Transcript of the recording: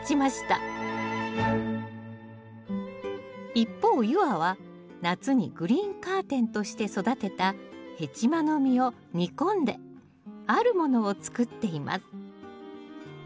一方夕空は夏にグリーンカーテンとして育てたヘチマの実を煮込んであるものを作っています